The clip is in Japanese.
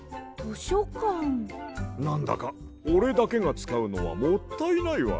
なんだかおれだけがつかうのはもったいないわ。